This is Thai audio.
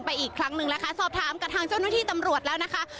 อีกครั้งหนึ่งนะคะสอบถามกับทางเจ้าหน้าที่ตำรวจแล้วนะคะ